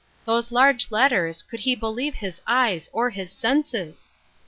Those large letters, could he believe his eyes or his senses